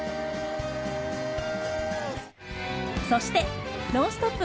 そして、「ノンストップ！」